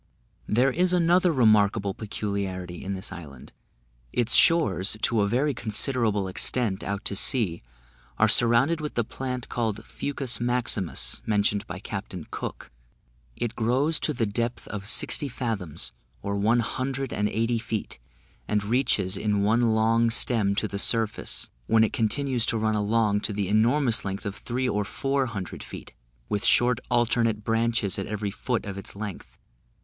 There is another remarkable peculiarity in this island: its shores, to a very considerable extent out to sea, are surrounded with the plant, called fucus maximus, mentioned by Captain Cook; it grows to the depth of sixty fathoms, or one hundred and eighty feet, and reaches in one long stem to the surface, when it continues to run along to the enormous length of three or four hundred feet, with short alternate branches at every foot of its length.